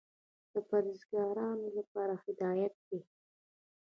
د پرهېزګارانو لپاره هدایت دى.